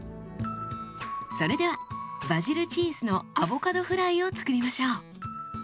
それではバジルチーズのアボカドフライを作りましょう。